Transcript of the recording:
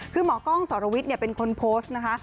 คือหมอกล้องสรวิทย์เป็นคนโพสต์นะคะ